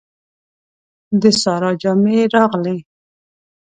د سارا جامې راغلې.